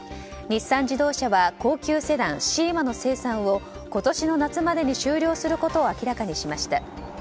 日産自動車は高級セダン、シーマの生産を今年の夏までに終了することを明らかにしました。